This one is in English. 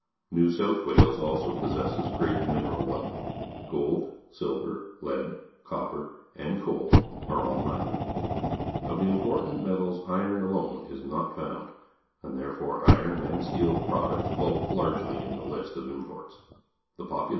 New South Wales also possesses great mineral wealth. Gold^ilver, lead, copper, and coal are all mined. Of the important metals iron alone is not found, and therefore iron and steel products bulk largely state live in the capi tal.